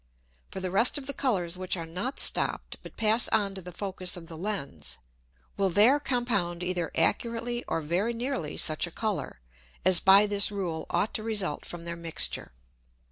For the rest of the Colours which are not stopp'd, but pass on to the Focus of the Lens, will there compound either accurately or very nearly such a Colour, as by this Rule ought to result from their Mixture.